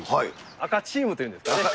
赤チームというんですかね。